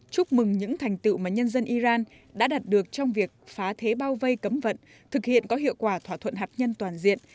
chúc mừng những thành tựu mà nhân dân iran đã đạt được trong việc phá thế bao vây cấm vận thực hiện có hiệu quả thỏa thuận hạt nhân toàn diện